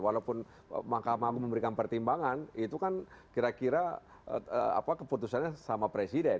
walaupun mahkamah agung memberikan pertimbangan itu kan kira kira keputusannya sama presiden